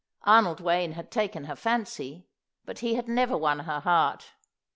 Arnold Wayne had taken her fancy, but he had never won her heart.